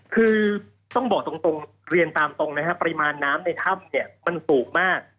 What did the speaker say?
คือต้องบอกตรงเรียนตามตรงนะครับปริมาณน้ำในถ้ำเนี่ยมันสูงมาก